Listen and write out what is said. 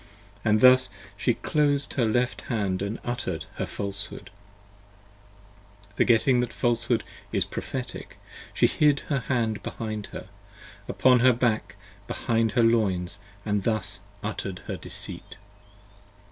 And thus she closed her left hand and utter'd her Falshood: 20 Forgetting that Falshood is prophetic, she hid her hand behind her, Upon her back behind her loins & thus utter'd her Deceit.